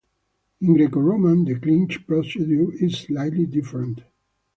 In Greco-Roman, the Clinch procedure is slightly different.